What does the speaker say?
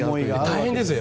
大変ですよ。